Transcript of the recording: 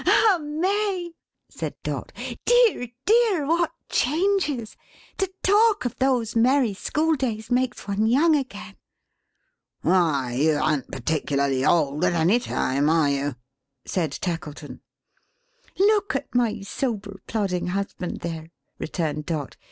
"Ah May!" said Dot. "Dear dear, what changes! To talk of those merry school days makes one young again." "Why, you an't particularly old, at any time; are you?" said Tackleton. "Look at my sober, plodding husband there," returned Dot.